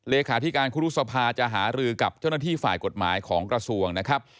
เลขาธิการครุษภาจะหารือกับเจ้าหน้าที่ฝ่ายกฎหมายของกระทรวงนะครับ